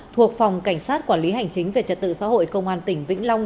thuộc phòng cảnh sát quản lý hành chính về trật tự xã hội công an tỉnh vĩnh long